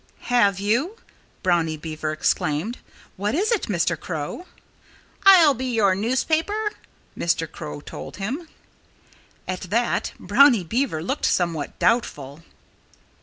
"Have you?" Brownie Beaver exclaimed. "What is it, Mr. Crow?" "I'll be your newspaper!" Mr. Crow told him. At that Brownie Beaver looked somewhat doubtful.